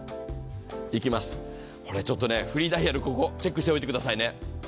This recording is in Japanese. いきます、これちょっとね、フリーダイヤル、ここチェックしておいたくださいね。